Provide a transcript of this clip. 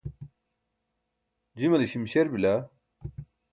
jimale śimśer bila.